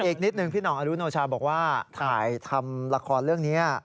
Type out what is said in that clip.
อีกนิดหนึ่งพี่ห่องอรุโนชาบอกว่าถ่ายทำละครเรื่องนี้